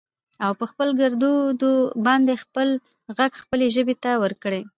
او په خپل ګردود باندې خپل غږ خپلې ژبې ته ورکړٸ